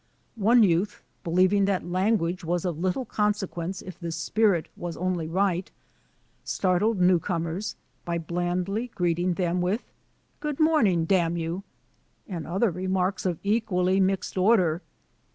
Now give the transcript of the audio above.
^ One youth, believing that language was of lit ( tie consequence if the spirit was only right, star tled new comers by blandly greeting them with "Good morning, damn you," and other remarks of an equally mixed order.